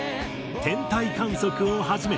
『天体観測』をはじめ。